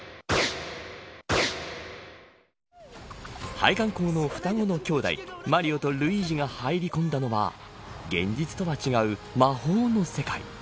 配管工の双子の兄弟マリオとルイージが入り込んだのは現実とは違う魔法の世界。